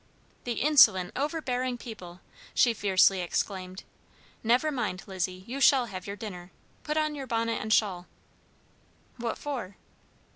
"The insolent, overbearing people!" she fiercely exclaimed. "Never mind, Lizzie, you shall have your dinner. Put on your bonnet and shawl." "What for?"